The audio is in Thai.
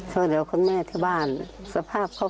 เห็นแม่นอนจากเจ็ด